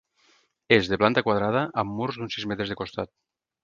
És de planta quadrada, amb murs d'uns sis metres de costat.